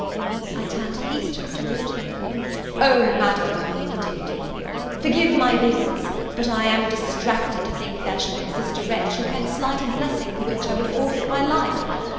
I turned hastily toward him: "O, Madam," continued he, "forgive my vehemence; but I am distracted to think there should exist a wretch who can slight a blessing for which I would forfeit my life!